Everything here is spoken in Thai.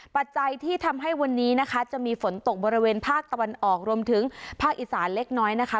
ปัจจัยที่ทำให้วันนี้นะคะจะมีฝนตกบริเวณภาคตะวันออกรวมถึงภาคอีสานเล็กน้อยนะคะ